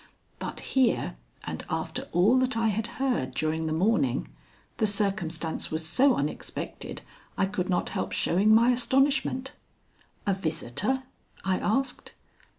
But here, and after all that I had heard during the morning, the circumstance was so unexpected I could not help showing my astonishment. "A visitor?" I asked.